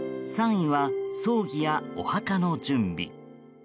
３位は、葬儀やお墓の準備。